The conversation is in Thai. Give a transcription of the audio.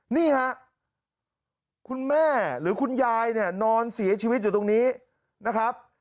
นี่ฮะคุณแม่หรือคุณยายเนี่ยนอนเสียชีวิตอยู่ตรงนี้นะครับ